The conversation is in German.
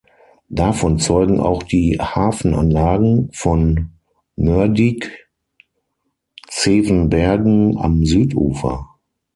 Davon zeugen auch die Hafenanlagen von Moerdijk-Zevenbergen am Südufer.